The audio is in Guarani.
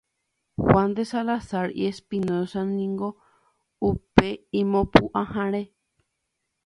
Juan de Salazar y Espinoza niko upe imopuʼãhare.